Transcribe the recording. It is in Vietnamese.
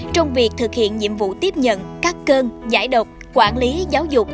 trong việc thực hiện nhiệm vụ tiếp nhận cắt cơn giải độc quản lý giáo dục